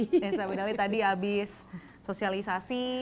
desa berdali tadi habis sosialisasi